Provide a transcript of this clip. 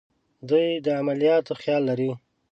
دوی د عملیاتو خیال لري.